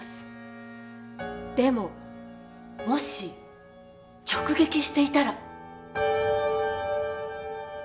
でももし直撃していたら。